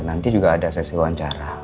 nanti juga ada sesi wawancara